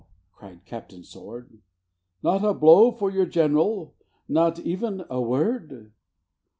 cried Captain Sword; "Not a blow for your gen'ral? not even a word?